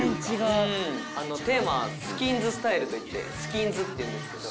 テーマは「スキンズスタイル」といってスキンズっていうんですけど。